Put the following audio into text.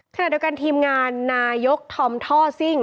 ขณะเดียวกันทีมงานนายกธอมท่อซิ่ง